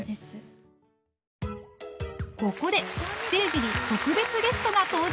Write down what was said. ここでステージに特別ゲストが登場！